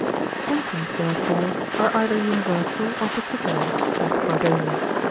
Symptoms therefore are either universal or particular, saith Gordonius, lib.